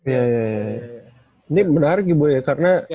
ini menarik ya karena